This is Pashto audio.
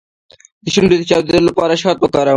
د شونډو د چاودیدو لپاره شات وکاروئ